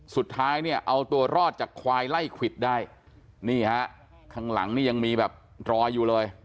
สุดท้ายเนี่ยเอาตัวรอดจากควายไล่ควิดได้นี่ฮะข้างหลังนี่ยังมีแบบรอยอยู่เลย